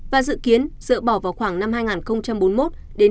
và dự kiến dỡ bỏ vào khoảng năm hai nghìn bốn mươi một đến hai nghìn năm mươi một